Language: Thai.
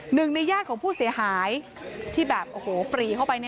หนึ่งในญาติของผู้เสียหายที่แบบโอ้โหปรีเข้าไป